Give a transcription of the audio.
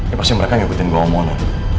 iya pasti mereka yang ikutin gue sama mona